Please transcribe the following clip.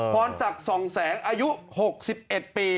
พรศักดิ์ส่องแสงอายุ๖๑ปี